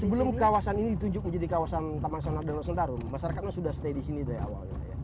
sebelum kawasan ini ditunjuk menjadi kawasan tamasional dan nusantarum masyarakat sudah stay di sini dari awalnya